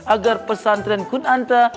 agar pesantren kunanta